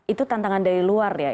itu tantangan dari luar ya